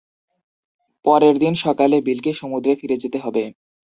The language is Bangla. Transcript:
পরের দিন সকালে বিলকে সমুদ্রে ফিরে যেতে হবে।